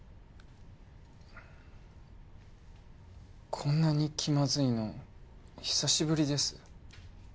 こんなに気まずいの久しぶりです。